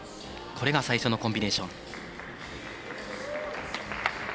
これが最初のコンビネーション。